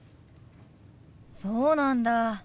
そうなんだ。